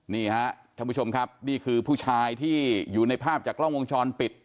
นี่ฮะท่านผู้ชมครับนี่คือผู้ชายที่อยู่ในภาพจากกล้องวงจรปิด